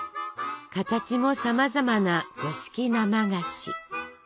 形もさまざまな五色生菓子！